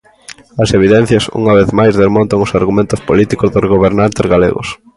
As evidencias, unha vez mais, desmontan os argumentos políticos dos gobernantes galegos.